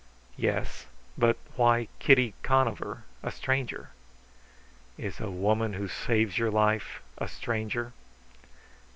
"Yes. But why Kitty Conover, a stranger?" "Is a woman who saves your life a stranger?"